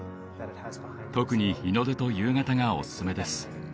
特に日の出と夕方がおすすめです